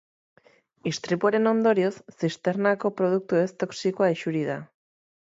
Istripuaren ondorioz, zisternako produktu ez toxikoa isuri da.